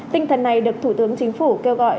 tinh thần này được thủ tướng chính phủ kêu gọi